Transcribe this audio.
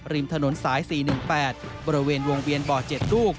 ริมถนนสาย๔๑๘บริเวณวงเวียนบ่อ๗ลูก